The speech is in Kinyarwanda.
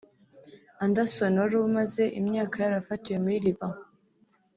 Anderson wari umaze imyaka yarafatiwe muri Liban